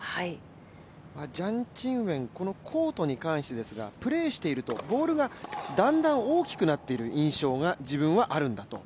ジャン・チンウェン、このコートに関してですが、プレーしているとボールがだんだん大きくなっている印象が自分はあるんだと。